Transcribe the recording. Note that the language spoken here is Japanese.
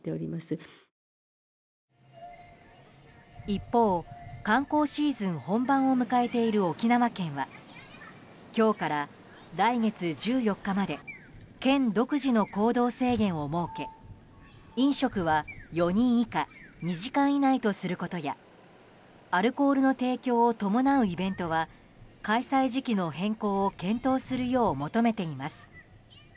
一方、観光シーズン本番を迎えている沖縄県は今日から来月１４日まで県独自の行動制限を設け飲食は４人以下２時間以内とすることやアルコールの提供を伴うイベントは開催時期の変更を検討するよう求めています。